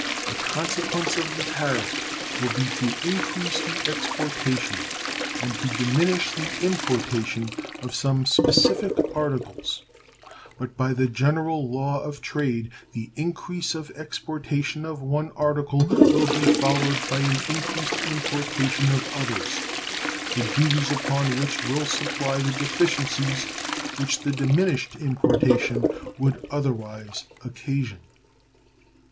The consequence of the tariff will be to increase the exportation and to diminish the importation of some specific articles; but by the general law of trade the increase of exportation of one article will be followed by an increased importation of others, the duties upon which will supply the deficiencies which the diminished importation would otherwise occasion.